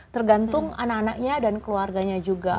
tergantung anak anaknya dan keluarganya juga